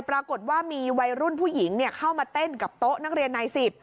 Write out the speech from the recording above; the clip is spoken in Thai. ปรากฏว่ามีวัยรุ่นผู้หญิงเข้ามาเต้นกับโต๊ะนักเรียนนาย๑๐